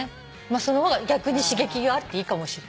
その方が逆に刺激があっていいかもしれない。